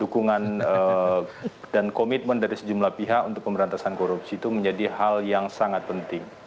dukungan dan komitmen dari sejumlah pihak untuk pemberantasan korupsi itu menjadi hal yang sangat penting